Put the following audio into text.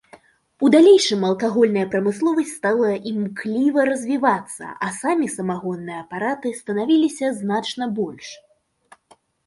У далейшым алкагольная прамысловасць стала імкліва развівацца, а самі самагонныя апараты станавіліся значна больш.